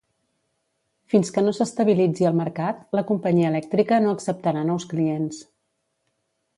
Fins que no s'estabilitzi el mercat, la companyia elèctrica no acceptarà nous clients.